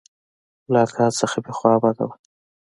له اکا څخه مې خوا بده وه.